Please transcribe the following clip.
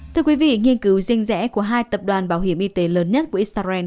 thưa quý vị nghiên cứu riêng rẽ của hai tập đoàn bảo hiểm y tế lớn nhất của israel